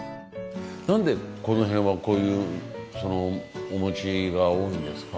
なんでこの辺はこういうお餅が多いんですか？